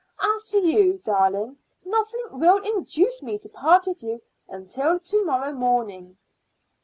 As to you, darling, nothing will induce me to part with you until to morrow morning."